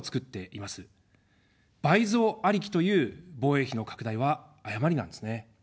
倍増ありきという防衛費の拡大は誤りなんですね。